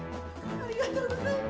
ありがとうございます！